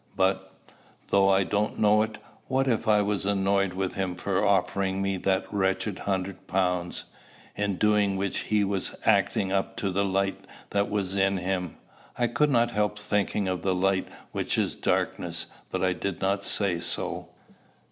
"But though I don't know it what if I was annoyed with him for offering me that wretched hundred pounds, in doing which he was acting up to the light that was in him?" I could not help thinking of the light which is darkness, but I did not say so.